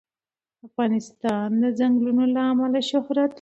افغانستان د چنګلونه له امله شهرت لري.